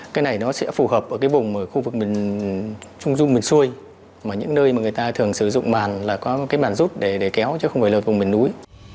cái này nó sẽ phù hợp ở cái vùng ở khu vực miền trung miền xuôi mà những nơi mà người ta thường sử dụng màn là có cái màn rút để kéo chứ không phải là vùng miền núi